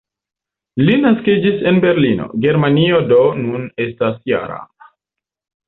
Li naskiĝis en Berlino, Germanio, do nun estas -jara.